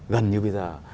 gần như bây giờ